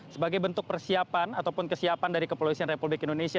sebagai bentuk persiapan ataupun kesiapan dari kepolisian republik indonesia